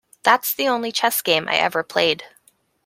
That's the only chess game I ever played.